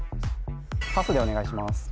パスでお願いします